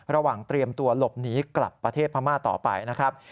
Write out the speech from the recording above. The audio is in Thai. ระหว่างเตรียมตัวหลบหนีกลับประเทศพม่าต่อไปนะครับ